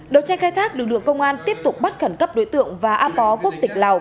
đầu tranh khai thác lực lượng công an tiếp tục bắt khẩn cấp đối tượng và a pó quốc tịch lào